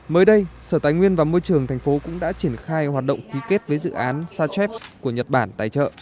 mới đây sở tài nguyên và môi trường thành phố cũng đã triển khai hoạt động ký kết với dự án sachevs của nhật bản tài trợ